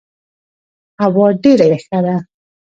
هوا ډيره ښه ده.